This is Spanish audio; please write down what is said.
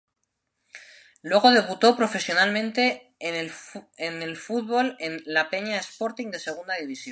Luego debutó profesionalmente en el fútbol en La Peña Sporting de Segunda División.